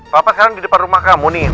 bapak sekarang di depan rumah kamu nih